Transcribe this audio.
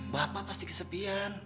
bapak pasti kesepian